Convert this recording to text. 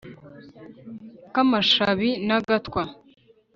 kamashabi na gatwa